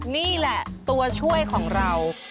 นี่แหละตัวช่วยของเรา